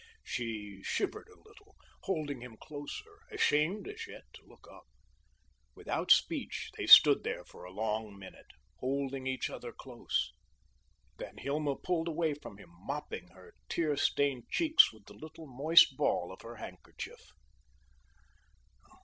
She shivered a little, holding him closer, ashamed as yet to look up. Without speech, they stood there for a long minute, holding each other close. Then Hilma pulled away from him, mopping her tear stained cheeks with the little moist ball of her handkerchief.